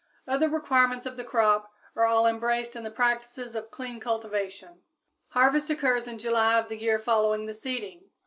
Other requirements of the crop are all embraced in the practices of clean cultivation. Harvest occurs in July of the year following the seeding.